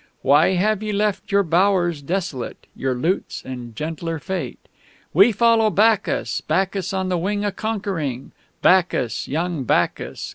Why have ye left your bowers desolate, Your lutes, and gentler fate? 'We follow Bacchus, Bacchus on the wing A conquering! Bacchus, young Bacchus!